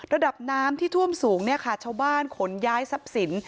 ระดับน้ำที่ท่วมสูงเนี่ยค่ะชาวบ้านขนย้ายทรัพย์สิน